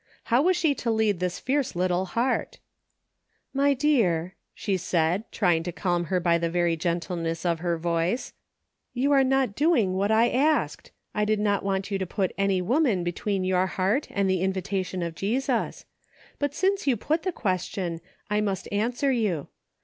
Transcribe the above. How was she to lead this fierce little heart } •'My dear," she said, trying to calm her by the very gentleness of her voice, " you are not doing what I asked ; I did not want you to put any woman between 88 "WILL YOU?" your heart and the invitation of Jesus ; but since you put the question, I must answer you.